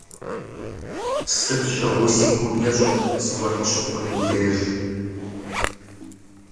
Сыт щыгъуи си гум ещӏэ зыгуэр къыщыхъунум деж.